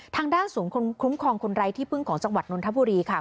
ทางด้านศูนย์คุ้มครองคนไร้ที่พึ่งของจังหวัดนนทบุรีค่ะ